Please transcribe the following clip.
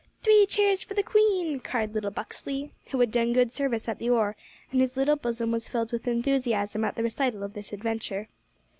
"Three cheers for the Queen!" cried little Buxley, who had done good service at the oar, and whose little bosom was filled with enthusiasm at the recital of this adventure.